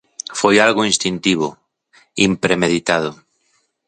Foi algo instintivo, impremeditado.